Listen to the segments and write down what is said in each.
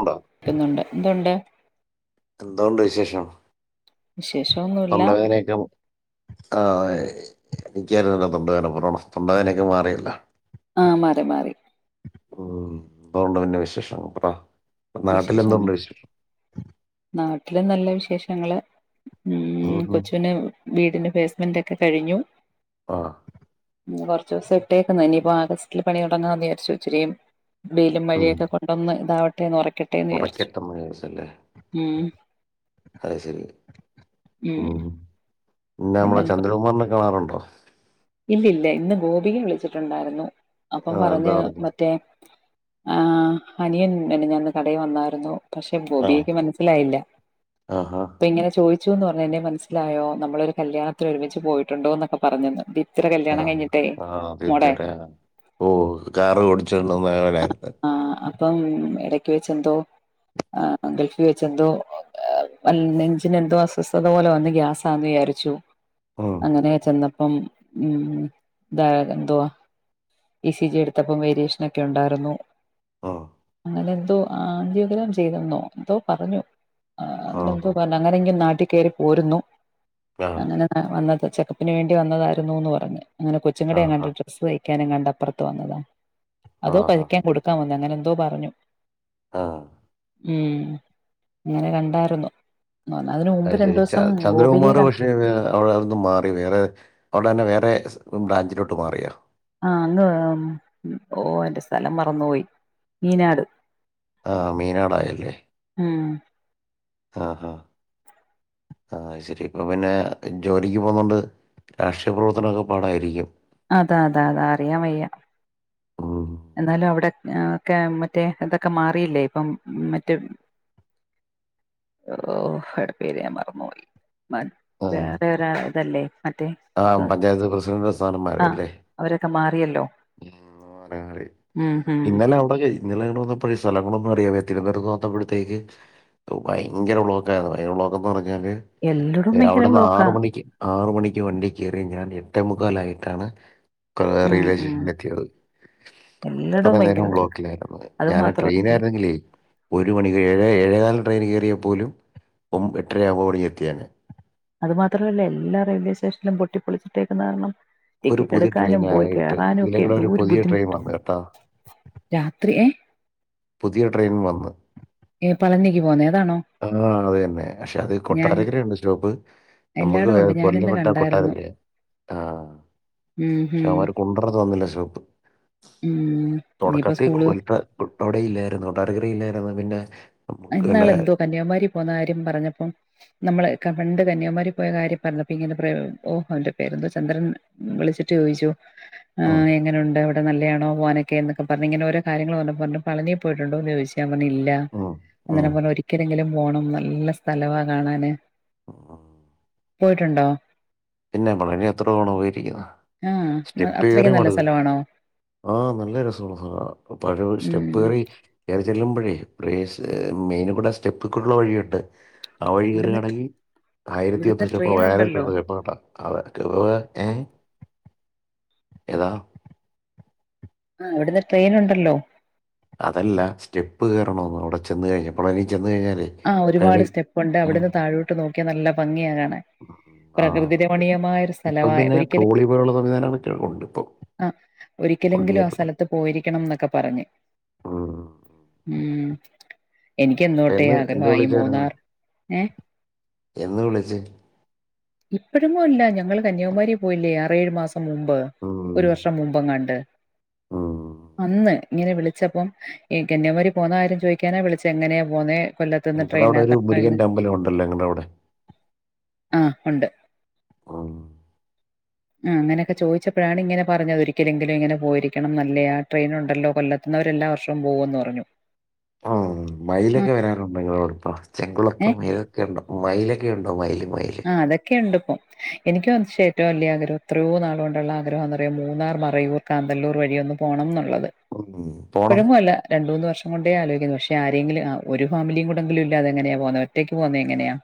ഉണ്ടോ ക്കുന്നുണ്ട് എന്തുണ്ട്? [unintelligible] വിശേഷമൊന്നുമില്ല തൊണ്ട വേദനയൊക്കെ ആഹ് എനിക്കായിരുന്നല്ലോ തൊണ്ടവേദന പറയടാ തൊണ്ടവേദനഒക്കെ മാറിയല്ലോ ആഹ് മാറി മാറി ഉ എന്തുണ്ട് പിന്നെ വിശേഷങ്ങൾ പറ വിശേഷങ്ങൾ നാട്ടിലെന്തുണ്ട് വിശേഷം ട്ടിലും നല്ല വിശേഷങ്ങള് ഉം കൊച്ചുനെ വീടിന്റെ ബേസ്മെന്റ് ഒക്കെ കഴിഞ്ഞു ആഹ് കുറച്ചു ദിവസം ഇട്ടേക്കുന്ന ഇനിയിപ്പോ ആഗസ്റ്റില് പണി തുടങ്ങാന്ന് വിചാരിച്ച് വച്ചിരിക്കുന്നു വെയിലും മഴയൊക്കെ കൊണ്ടൊന്ന് ഇതാവട്ടെ [unintelligible] വിചാരിച്ചു ഉറക്കട്ടമായസല്ലേ ഉം അത് ശെരി ഉം പിന്നെ നമ്മുടെ ചന്ദ്രകുമാറിനെ കാണാറുണ്ടോ ഇല്ല ഇല്ല ഇന്ന് ഗോപിക വിളിച്ചിട്ടുണ്ടായിരുന്നു അപ്പം ആ, എന്താ പറഞ്ഞു മറ്റേ ആഹ് അനിയൻ മിനിഞ്ഞാന്ന് കടയിൽ വന്നായിരുന്നു പക്ഷെ ആ ഗോബി കയ്ക്ക് മനസ്സിലായില്ല ആഹാ അപ്പൊ ഇങ്ങനെ ചോദി ച്ചുന്ന് പറഞ്ഞ എന്നെ മനസിലായോ നമ്മളൊരു കല്യാണത്തിൽ ഒരുമിച്ച് പോയിട്ടുണ്ടോന്നൊക്കെ പറഞ്ഞ് എന്ന് ആഹ, ആഹ്, ദീപ്ത്തിടെ ഓ കാറ് ഓടിച്ച് കൊണ്ടുവന്ന ആയാള് നേരെത്തെ ആഹ് അപ്പം. മ്മ്. എടക്ക് വെച്ച് എന്തോ ഗൾഫിൽ വെച്ച് എന്തോ നെഞ്ചിനെ എന്തോ അസ്വസ്ഥത പോലെ വന്ന് ഗ്യാസാന്ന് വിചാരിച്ചു ഉം. അങ്ങനെ ചെന്ന ഉം ഉം ദാ എന്തുവാ ഇ സി ജി എടുത്തപ്പം വേരിയേഷൻ ക്കെണ്ടായിരുന്നു ആ ന്തൊ ആൻജിയോഗ്രം ചെയ്തെന്നോ ന്തൊ പറഞ്ഞു അ ആ ങ്ങനെന്തോ പറഞ്ഞ് അങ്ങനെങ്കി നാട്ടി കേറി പോരുന്നോ ആ അങ്ങനെ [unintelligible] ന് വേണ്ടി വന്നതാരുന്നു ന്ന് പറഞ്ഞ് അങ്ങനെ ആ കൊച്ചുങ്ങടെങ്ങാണ്ട് ഡ്രസ് തൈ ക്കാനങ്ങാണ്ട് അപ്പൊറത്ത് വന്നതാ ആ അതൊ ആ പതിക്കാൻ കൊട്ക്കാൻ വന്നതോ അങ്ങനെന്തോ പറഞ്ഞു ആ ഉം അങ്ങനെ കണ്ടാർന്നു. അയ്ശരി ച ചന്ദ്രകുമാർ ക പക്ഷെ അവട്ന്ന് മാറി വേറെ അവിടെന്നെ വേറെ ബ്രാഞ്ചിലോട്ട് മാറിയോ? ആ ന്തുവാ ഓൻ്റെ സ്ഥലം മറന്ന് പോയി മീനാട്. ആ മീനടായല്ലേ? ഉം ആ ആ ശരിപ്പൊ പിന്നെ ജോലിക്കു പോണോണ്ട് രാഷ്‌ടീയ പ്രവർത്തനൊക്കെ പാടായിരിക്കും. അതാ അതാ അതാ അറിയാൻ വയ്യ ഉം. എന്നാലും അവിടെ എ കെ മറ്റെതൊക്കെ മാറിലെ ഇപ്പം മറ്റ് ഓപേര് ഞാൻ മറന്ന് പോയി പറ്റേറെ റയ തല്ലേ അതാവും പഞ്ചായത്ത് പ്രസിഡൻ്റ് സ്ഥാനം മാറിയല്ലേ? യല്ലോ ഉം ഉം ഇന്നലെ അവിടൊക്കെ ഇന്നലെ ഞങ്ങള് വന്നപ്പഴെ സ്ഥലങ്ങളൊന്നു അറിയാതെ തിരുവനന്തപുരത്ത് വന്നപ്പഴത്തേക്ക് ഭയങ്കര ബ്ലോക്കായി ബ്ലോക്കെന്ന് പറഞ്ഞ ങ്ങ് എല്ലടും ഭയങ്കര അവിടന്ന് ബ്ലോക്കാ ആറ് മണിക്ക് ആറ് മണിക്ക് വണ്ടീ കേറിയ ഞാന് എട്ടേമുക്കിലായിട്ടാണ് ഉം [unintelligible] ഉം എത്തിയത് എല്ലടവും ഭയങ്കര അത്രനേരം തിരക്ക് ബ്ലോക്കിലായിരുന്നു അത് ഞാന് മാത്ര ട്രെയിനിലാരുന്നെങ്കിലെ ഒരു മണിക്കൂർ ഏഴ് ഏഴേ കാലിന് ട്രൈനിൽ കേറിയാ പോലും ഒ എട്ടര ഒമ്പത് മണിക്ക് എത്തിയേനെ അത് മാത്രമല്ല എല്ലാ റെയിൽവേ സ്റ്റേഷനും പൊട്ടി പൊളിച്ചിട്ടേക്കുന്നത് കാരണം ഇപ്പൊ ഒരു ടിക്കറ്റ് പുതിയ ട്രെയിൻ എടുക്കാനും പോയി ആയിട്ട് കേറാനും ഒക്കെ ഇതിലേക്കൂടെ ഒരു എന്തോരു പുതിയ ട്രെയിൻ ബുദ്ധിമുട്ടാ വന്നു കേട്ടാ രാത്രി എ പുതിയ ട്രെയിൻ വന്ന് ഈ പളനിക്ക്‌ പോന്നെ ആഹ് അതെന്നെ പക്ഷെ അത് ഞാൻ കൊട്ടാരക്കരെ ഒള്ള് സ്റ്റോപ്പ് നമ്മക്ക് എല്ലായിടും ഉണ്ട് കൊല്ലം ഞാനിന്ന് വിട്ട കണ്ടായിരുന്നു കൊട്ടാരക്കരയാ ആഹ് ഉം പക്ഷേ ഉം അവന്മാര് കുണ്ടറ തന്നില്ല സ്റ്റോപ്പ് ഉം ഇനിയിപ്പോ തൊടക്കത്തി സ്കൂള് കുണ്ടറ അവിടെ ഇല്ലായിരുന്നു കൊട്ടാരക്കര ഇല്ലാരുന്നു പിന്നെ നമുക്ക് പിന്നെ ഇന്നാള് എന്തോ കന്യാകുമാരി പോന്ന കാര്യം പറഞ്ഞപ്പോ നമ്മള് പണ്ട് കന്യാകുമാരി പോയ കാര്യം പറഞ്ഞപ്പൊ ഓ അവൻ്റ പേരെന്താ ചന്ദൻ വിളിച്ചിട്ട് ചോദിച്ചു ഉം, ആഹ് എങ്ങനൊണ്ട് നല്ലെയാണോ പോവാനൊക്കെ എന്നൊക്കെ പറഞ്ഞ് ഇങ്ങനെ ഓരോ കാര്യങ്ങളൊക്കെ പറഞ്ഞപ്പോ പറഞ്ഞു പളനീ പോയിട്ടുണ്ടോന്ന് ചോയ്ച്ച് ണില്ല ഉം, ഉം, അന്നേരം പറഞ്ഞു ഒരിക് ക്കല് പോണം നല്ല സ്ഥലവാ കാണാന് ഓഹ് പോയിട്ടുണ്ടോ പിന്നെ പഴനി എത്ര തവണ പോയിരിക്ക്ണ് ആഹ് സ്റ്റെപ്പി കേറി അത്രയ്ക്ക് നല്ല മട്കും സ്ഥലവാണോ ആഹ് നല്ല രസമാ കാണാൻ [unintelligible] സ്റ്റെപ്പ് ഉം കേറി ചെല്ലുമ്പഴേ പ്ലേസ് മേല്കുടെ സ്റ്റെപ്പ് കൂടെ വഴിയുണ്ട് ആ വഴി ഇവിടുന്ന് കേറ്കാണെങ്കി ആയിരത്തി ഇവിടുന്ന് ട്രെയിൻ ഉണ്ടല്ലോ [unintelligible] [unintelligible] ഏഹ് എതാ ആഹ് ഇവ്ട്ന്ന് ട്രൈനുണ്ടല്ലോ അതല്ലാ സ്റ്റെപ്പ് കേറണോന്ന് അവടെ ചെന്ന് കഴിഞ്ഞ് പളനി ഒരുപാട് സ്റ്റെപ്പുണ്ട് ഉം. അവിട്ന്ന് താഴോട്ട് നോ ക്കിയാ നല്ല ഭംഗ്യാ [unintelligible] ആ പ്രകൃതിരമണീയമായ ഒര് ഇപ്പം സ്ഥലവാ പിന്നെ ഒരിക്കല് ട്രോളി പോലുള്ള സംവിധാനങ്ങളൊക്കെ ഉണ്ട് ഇപ്പം ആ കൊണ്ടു ഒരിക്കലെങ്കിലും ആ കയറ്റണം സലത്ത് പോയിരിക്കണം ന്നൊക്കെ പറഞ്. ഉം. ഉം എനിക്ക് തൊട്ടേ എന്ന് എന്ത് ആഗ്രഹവാ ഈ വിളിച്ചായിരുന്നു മൂന്നാർ ഏ എന്ന് വിളിച്ച് ഇപ്പഴെങ്ങു അല്ല ഞങ്ങള് കന്യാകുമാരി പോയില്ലേ ആരേഴ് മാസ മുമ്പ് ഉം. ഒര് വർഷം മുമ്പെങ്ങാണ്ട് ഉം. അന്ന് ഇങ്ങനെ വിളിച്ചപ്പം ഏ കന്യാമാരി പോന്ന കാര്യം ചോയ്ക്കാനാ വിളിച്ചേ എങ്ങനെ പോന്നേ കൊല്ലത്ത്ന്ന് നിങ്ങടെ അവടൊരു ട്രെയിനിനകത്താണോ എന്ന്? മുരുകന്റെ അമ്പലവുണ്ടല്ലോ ഇങ്ങടെ അവടെ ആ ഉണ്ട്. ഉം ആഹ് ഇങ്ങനെക്കെ ചോയ്ച്ചപ്പഴാണ് ഇങ്ങനെ പറഞ്ഞത് ഒരിക്കലെങ്കിലും ഇങ്ങനെ പോയിരിക്കണം നല്ലെയാ ട്രെയ്നുണ്ടല്ലോ കൊല്ലത്ത്ന്നവര് എല്ലാവർഷവും പോവുന്ന് പറഞ്ഞു ആഹ് ആ മയിലെക്കെ വരാറുണ്ടോ ഇങ്ങളോടെ പാസ് ചെങ്കുളത്ത് മയിലൊക്കെയുണ്ടോ മായില്. ക്കെയുണ്ടോ മയില്. മയില് അ ആതെക്കെണ്ട് പ്പം എനിക്കതിഷട്ടോ [unintelligible] എത്രയോ നാള് കൊണ്ട ആഗ്രഹാന്നറിയോ മൂന്നാർ മറയൂർ കാന്തലൂർ വഴിയൊന്ന് പോണന്ന്ള്ളത്. ഉം. പോണം ഇപ്പഴെങ്ങുല്ല രണ്ട്ഉന്ന് വർഷ കൊണ്ടേ ആലോയ്ക്കുന്നു ഷേ ആരെങ്കില് ആ ഒര് ഫാമിലീം കൂടെല്ലാതെങ്ങനെ പോവുന്നേ ഒറ്റക്ക് പോവുന്നങ്ങനെയാ.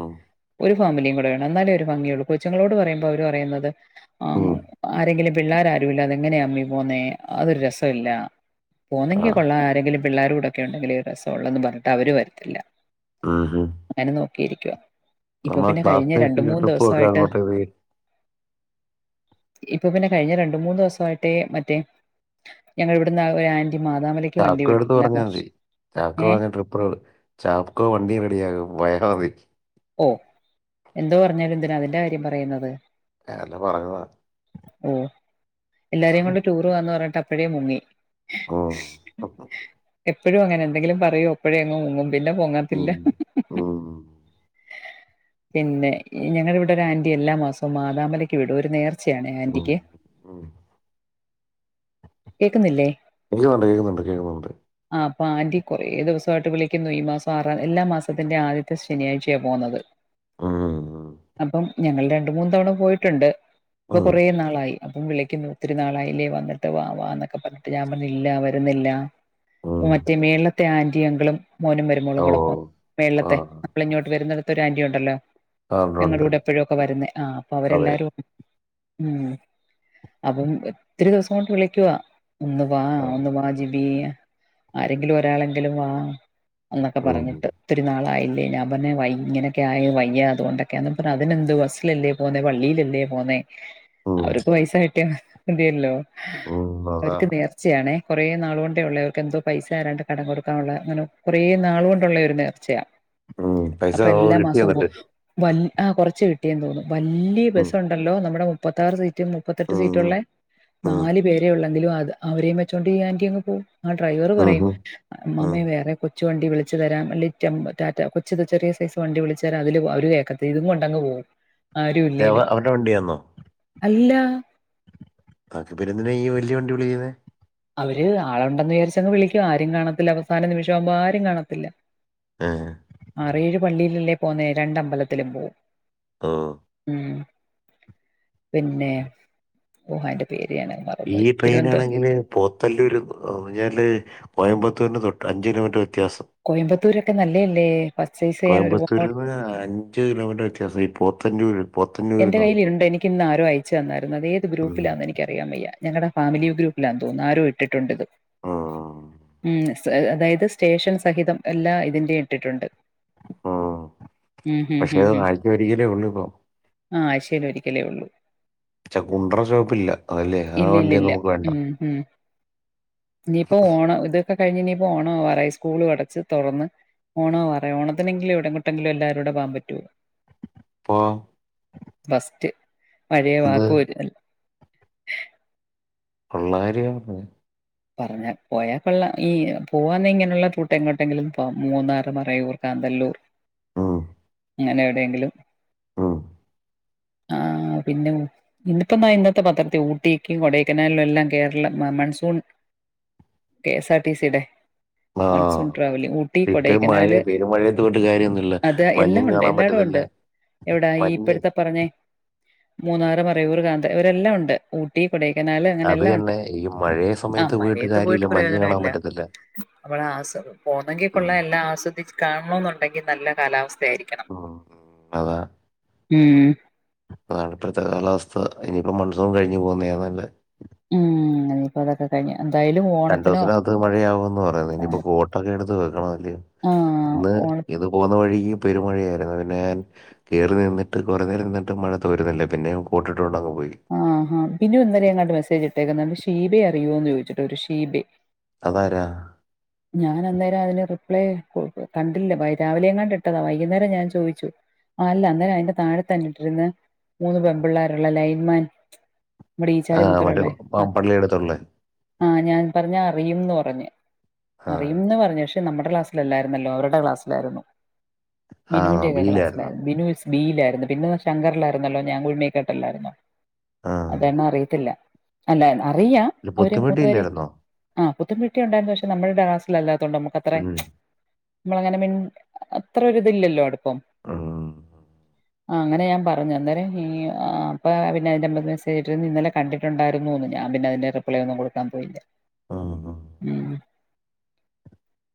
ഉം. ഒര് ഫാമിലീംകൂടെ വേണം ന്നാലേര് ഭഗിയുള്ളൂ കൊച്ചങ്ങളോട് പറയുമ്പോ അവര് പറയുന്നത് ആ ഉം. ആരെങ്കില്ത് പിള്ളേര് ആരൂല്ലാതെങ്ങനാമേ പോനെ അതൊരു രസല്ലാ ആ പോന്നെങ്കി കൊള്ളാആരെങ്കിലുംപിള്ളാരൊടെക്കെ ണ്ടെങ്കിലേ രസള്ളൂന്നും പറഞ്ഞിട്ട് അവര് വര്ത്തില്ല ഞാനും നോക്കിയിരിക്കുവാ. ഇപ്പൊ നമ്മ പിന്നെ കഴിഞ്ഞ രണ്ട് ക്ലാസ്സ്‌മെറ്റ്സിന്റെ ട്രിപ്പ്‌ വെക്കാം ഇപ്പ പിന്നെ കഴിഞ്ഞ രണ്ടു മൂന്നു ദിവസായിട്ടെ മറ്റേ ഞങ്ങടിവിടുന്ന ഒരു ആൻ ചാക്കൊയെടുത്തു പറഞ്ഞാതി ചാക്കോ ഏ പറഞ്ഞ ട്രിപ്പുകള് ചാക്കോ വണ്ടി റെഡിയാക്കും വയ [unintelligible] ഓ എന്ത് പറഞ്ഞാലും എന്തിനാ അവന്റെ കാര്യം പറയുന്നത്. ഞാന് പറഞ്ഞതാ ഉം എല്ലാരേം കൊണ്ട് ടൂറ് പോകാന്ന് പറഞ്ഞിട്ട പ്പഴേ മുങ്ങി മ്ഹ് എപ്പഴു അങ്ങനാ ന്തെങ്കിലും പറയും അപ്പഴേ അങ്ങ് മുങ്ങും പിന്നെ പൊങ്ങത്തില്ല ഉം. ഉം. പിന്നെ ഞങ്ങളിവ്ടെ ഒരു ആന്റി എല്ലാ മാസം മാതമലക്ക് വിടും ഒരു നേർ ച്ചയാണ് ഉം. ആന്റിക്ക് ഉം. കേക്കുന്നില്ലേ? കേയുണ്ട് കേയുണ്ട് കേയുണ്ട്. അപ്പ ആന്റി കൊറെ ദിവസായിട്ട് വിളിക്കുന്നു ഈ മാസം ആറാ എല്ലാ മാസത്തിന്റെയും ആദ്യത്തെ ശെനിയാഴ്ചയാ പോന്നത്. ഉം. അപ്പം ഞങ്ങൾടെ രണ്ടു മൂന്നു തവണ പോയിട്ട്ണ്ട്. ഇപ്പ ഉം. കുറേ നാളായി അപ്പം വിളിക്കുന്നു ത്തിരി നാളായില്ലേ വന്നിട്ട് വാ വാന്നൊക്കെ പറഞ്ഞിട്ട് ഞാൻ പറഞ്ഞു ഇല്ല വരുന്നില്ല ഉം. മറ്റേ മേളിലത്തെ ആന്റിയും അങ്കിളും മോനും മരുമോളും ഓ കൂടേ പോ ആ മേളിലത്തെ നമ്മളിങ്ങോട്ട് വരുന്നിട ത്ത് ഒരാന്റിയുണ്ടല്ലോ ആ, ഉണ്ട് ഉണ്ട് ഞങ്ങളൂടേ പ്പഴ്ക്കെ വരുന്നേ ആ അതെ പ്പവരെല്ലാരും മ് അപ്പം ഒത്തിരി ദിവസംകൊണ്ട് വിളി കിയുവാ ഒന്നുവാ ആ ഒന്നുവാ ജിബി ആരെങ്കിലു ഒരാളെങ്കിലും വാ എന്നൊക്കെ ഉം പറഞ്ഞിട്ട് ഒത്തിരി നാളായി ല്ലേ ഞാൻ പറഞ്ഞു വയ്യ് ഇങ്ങനൊക്കെ ആയോ വയ്യ അതുകൊണ്ടൊക്കെയാ അതിനെന്ത് ബസിലല്ലേ പോന്നേ പള്ളിലല്ലേ പോന്നേ ഉം അവര്ക് പൈസ കിട്ടിയ മതി മതിയല്ലോ [unintelligible] ഉം അതാ അവർക്ക് നേർച്ചയാണെ കുറെ നാള് കൊണ്ടേ ഉള്ളയാ അവൾക് എന്തോ പൈസ ആരാണ്ട് കടം കൊടുക്കാനുള്ള അങ്ങനെ കുറെ നാള് കൊണ്ടുള്ളൊരു നേർച്ചയാ ഉം പൈസ അപ്പൊ എല്ലാ നമുക്ക് കിട്ടി മാസവും എന്നിട്ട് പോകും വൽ കൊറച്ചു [unintelligible] ഉം വല്യബസ് ഉണ്ടല്ലോ നമ്മടെ മുപ്പത്താര് മുപ്പത്തെട്ട് ഉം സീറ്റുള്ള ഉം നാല് പെ എങ്കിലും അത് അവരെയും വെച്ചോണ്ട് ഈ ആന്റി അങ്ങ് പോവും ആ ഡ്രൈവറ് ഉം പറയും ഉം ഉം. അമ്മാമ്മേ വേറെ കൊച്ച കൊച്ചു വണ്ടി വിളിച്ചുതരാം അല്ലെങ്കി ടെംപ് റ്റാറ്റാ കൊച്ചിത് ചെറിയ സൈസ് വണ്ടി വിളിച്ചു തരാം അതില് പോ അവര് കേക്കത്തില്ല ഇതുകൊണ്ട് അങ്ങ് പോകും ഏ, ആരുമില്ലേലും അവ- അവരുടെ വണ്ടിയാന്നോ ഇല്ല [unintelligible] ആപ്പ പിന്നെ എന്തിനാ ഈ വലിയ വണ്ടി വിളിക്കുന്നെ അവര് ആളുണ്ട് എന്നുവിചാരിച്ചങ്ങ് വിളിക്കും ആരും കാണത്തില്ല അവസാനനിമിഷമാകുമ്പോൾ ആരും കാണത്തില്ല ഏ, ആറ്ഏഴ് പള്ളീലല്ലേ പോന്നേ രണ്ട് അമ്പലത്തിലും പോകും ഓ മ്മ് പിന്നെ [unintelligible] ഈ മറന്നുപോയി ട്രെയിൻ തിരുവനന്ത ആണെങ്കില് പോത്ത ലൂര് ഞ്ഞാല് കോയമ്പത്തൂരിന് തൊട്ട് അഞ്ച് കിലോമീറ്റർ ഒ വത്യാസം കോയമ്പത്തൂരൊക്കെ നല്ലയല്ലേ പർച്ചേസ് ചെയ്യാൻ കോയമ്പത്തൂര് ഒരുപാട് നിന്ന് അഞ്ച് കിലോമീറ്റർ വത്യാസം [unintelligible] എന്റെ കൈയിൽ ഉണ്ട് എനിക്ക് ആരോ അയച്ച് ച തന്നാരുന്ന് അത് ഏത് ഗ്രൂപ്പിൽ ആണെന്ന് എനിക്ക് അറിയാൻ വയ്യാ ഞങ്ങളുടെ ഫാമിലി ഗ്രൂപ്പിൽ ആന്ന്ത്തോ ആരോ ഇട്ടിട്ടോണ്ടിത് മ്മ് അതായിത് സ്റ്റേഷൻ സഹിതം എല്ലാ ഇതിന്റെയും ഇട്ടിട്ടുണ്ട് ഉം ഉം ഹും പക്ഷെ ഹും അത് ഹും ആഴ്ചയിൽ ഒരിക്കല്ലേ ഒള്ളൂ ഇപ്പോം ആ ആഴ്ചയിൽ ഒരിക്കല്ലേ ഒള്ളു പക്ഷെ കുണ്ടറ ഷോപ്പില്ല അതല്ലേ ആ ഇല്ല ഇല്ല വണ്ടി ഇല്ല നമുക്ക് വേണ്ട ഉം ഉം ഇനി ഇപ്പം ഓണ ഇതൊക്കെ കഴിഞ്ഞു ഇനി ഇപ്പം ഓണം ആകാറായി സ്കുളും അടച്ചു തുറന്ന് ഓണം ആവാറായി ഓണത്തിനെങ്കിലും എവിടെഎങ്ങോട്ടെങ്കിലും എല്ലാരൂടെ പോകാൻ പറ്റുമോ അ ബെസ്റ്റ് പഴയ എന്ത് വാക്ക് പോലെ തന്നെ ഒള്ളകാര്യവാ പറഞ്ഞേ പറഞ്ഞാ പോയാ കൊള്ളാം ഈ പോവാൻ ഇങ്ങനെയുള്ള കൂട്ട് എങ്ങോട്ട് എങ്ങോട്ടെങ്കിലും പോകാം മൂന്നാർ മറയൂർ കാന്തല്ലൂർ ഉം, അങ്ങനെ എവിടെ എങ്കിലും ഉം ആ പിന്നെ നിങ്ങൾക് ഇന്നിപ്പ ദാ ഇന്നത്ത പത്രത്തിൽ ഊട്ടിക്കും കോടേക്കനാലിലും എല്ലാം കേരളം മ monsoon K S R T സിടെ അഹ് ഇപ്പൊ മഴയാ പെരുമഴയത് പോയിട്ട് കാര്യമൊന്നുമില്ല അത് എല്ലാം മഞ്ഞും ഉണ്ട് കാണാൻ എല്ലായിടും ഉണ്ട്. പറ്റത്തില്ല എവിടാ ഈ മഞ്ഞേ ഇപ്പഴത്തെ പറഞ്ഞേ മൂന്നാറ് മറയൂര് കാന്ത ഇവിടെ എല്ലാം ഉണ്ട് ഊട്ടി കൊടുക്കനാല് അങ്ങനെ അത് എല്ലാം ഉണ്ട് തന്നെ ഈ മഴയ അഹ് സമയത്ത് മഴയത്ത് പോയിട്ട് കാര്യമില്ല മഞ്ഞ് കാണാൻ പ്രയോജനമില്ല പറ്റത്തില്ല അപ്പൊ ആസോ പോന്നെങ്കിൽ ഉം, കൊള്ളാം എല്ലാം ആസ്വദിച്ച് കാണണമെന്നു ഉണ്ടെങ്കിൽ നല്ല കാലാവസ്ഥ അഹ് ഉം അതാ ഉം അതാണ് പ്രധാന അവസ്ഥ ഇനി ഇപ്പൊ മൺസൂൺ കഴിഞ്ഞ് പോകുന്നെയാ നല്ലേ ഉം ഇനി ഇപ്പൊ അതൊക്കെ കഴിഞ്ഞേ രണ്ട് ദിവസത്തിന് അകത്തു മഴ ആകുമെന്ന് പറയുന്ന് ഇനി ഓണ ഇപ്പൊ കോട്ട് ഒക്കെ എടുത്ത് വെക്കണം അല്ലിയോ ആഹ് ഇന്ന് ഓണ ഇതു പോവുന്ന വഴിക്കും പെരുമഴ ആരുന്നു പിന്നെ ഞാൻ കേറി നിന്നിട്ട് കൊറേ നേരം ഇരുത്തിട്ടും മഴ തോരുന്നില്ല പിന്നെ ഞാൻ കോട്ട് ഇട്ടു അഹ് അഹ് ബിനു ഇന്നലെ എങ്ങാണ്ട് മെസ്സേജ് ഇട്ടേക്കുന്നെ കണ്ട് ഷീബെ അറിയുവോന്ന് ചോദിച്ചിട്ട് ഒരു ഷീബെ അതാരാ ഞാൻ അന്നേരം അതിനു റിപ് ളേ കണ്ടില്ല രാവിലെ എങ്ങാണ്ട് ഇട്ടതാ വൈകുന്നേരം ഞാൻ ചോദിച്ചു അല്ല അന്നേരം അതിന്റെ താഴെ തന്നെ ഇട്ടിരുന്ന് മൂന്ന് പെമ്പിള്ളാർ ഉള്ള ലൈൻ മാൻ നമ്മടെ ആ ഈച്ചാഡ് മറ്റേ മുക്കിലുള്ളെ പ- പള്ളിയടുത്തുള്ള ആ ഞാൻ പറഞ്ഞ് ആ പറയും എന്ന് പറഞ്ഞ് ആ അറിയും എന്ന് പറഞ്ഞു പക്ഷെ നമ്മടെ ക്ലാസ്സിൽ അല്ലാരുന്നല്ലോ അവർടെ ക്ലാസ്സിൽ ആരുന്നു ആ ബിനുന്റെ ഒക്കെ ക്ലാസ്സിൽ ബിയിലായിരുന്നോ ആരുന്നു ബിനു ബിയിൽ ആരുന്നു പിന്നെ ശങ്കറിൽ ആരുന്നല്ലോ ഞാൻ ഗുഡ് നൈറ്റ്‌ ഇട്ടല്ലാരുന്നോ ആ അത് കാരണം അറിയത്തില്ല അല്ലാന്നോ അറിയാം ഒരു അവരെ മൂന്ന് പേരേം പൊത്തുമെട്ടിയില്ലായിരുന്നോ അഹ് പുത്തെൻ കുട്ടി ഉണ്ടാരുന്നു പക്ഷെ നമ്മടെ ക്ലാസ്സിൽ അല്ലാരുന്നു കൊണ്ട് നമുക്ക് അത്രേം ഉം. നമ്മള് അങ്ങനെ മിൺ അത്രേം ഒരുതില്ലല്ലോ അടു ഇപ്പം ഉം. അഹ് അങ്ങനെ ഞാൻ പറഞ്ഞു അന്നേരം ഹീ അഹ് അപ്പ പറഞ്ഞു സേട്രിനെ ഇന്നലെ കണ്ടിട്ടുണ്ടാരുന്നൂന്ന് ഞാൻ പിന്നെ അതിനു റിപ്ലൈ ഒന്നും കൊടുക്കാൻ പോയില്ല ഉം. മ്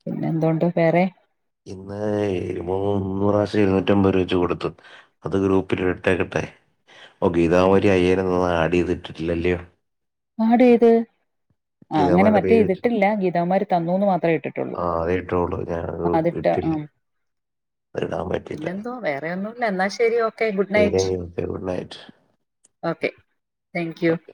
പിന്നെ എന്തോണ്ട് വേറെ ഇന്ന് മൂന്നു പ്രാവശ്യം ഇരുന്നൂറ്റമ്പത് രൂപ വെച്ച് കൊടുത്തു അത് ഗ്രൂപ്പിൽ ഇട്ടേക്കട്ടെ ഗീതകുമാരി അയ്യായിരം തന്നത് ആഡ് ചെയ്തു ഇട്ടിട്ടില്ല അല്ലിയോ ആഡ് ചെയ്തു ആ അങ്ങനെ ഗീതാമാരുടെ മറ്റേ പേര് വെച്ചോ ഇതിട്ടില്ല ഗീതകുമാരി തന്നുന്ന് മാത്രേ ഇട്ടിട്ടുള്ളു ആ അത് ഇട്ടോളൂ ഞാൻ അത് അതിട്ട ഇട്ടില്ല അത് ഇടാൻ പറ്റില്ല പിന്നെന്തുവാ വേറെ എന്നാ ശെരി ഓക്കേ ഓക്കേ ഗുഡ് നൈറ്റ്‌ ശരി ഗുഡ് നൈറ്റ് താങ്ക്യൂ ഓക്കെ